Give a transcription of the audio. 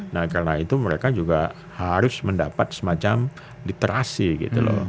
nah karena itu mereka juga harus mendapat semacam literasi gitu loh